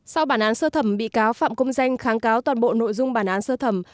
sau bản án sơ thẩm bị cáo phạm công danh kháng cáo toàn bộ nội dung bản án sơ thẩm